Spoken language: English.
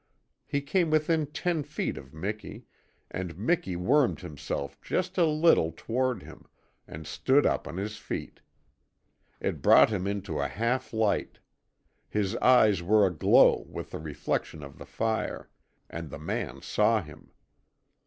He came within ten feet of Miki, and Miki wormed himself just a little toward him, and stood up on his feet. It brought him into a half light. His eyes were aglow with the reflection of the fire. And the man saw him.